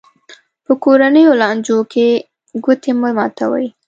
په کورنیو لانجو کې ګوتې مه ماتوي.